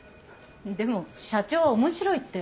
でも社長は面白いって。